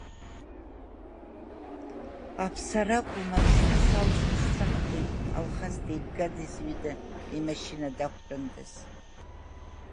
Аԥсара акәым, Аԥсны салҵны сцахгьы, Алхас деибга-деизҩыда имашьына дақәтәандаз.